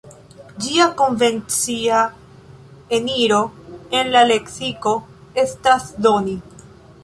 Ĝia konvencia eniro en la leksiko estas "doni".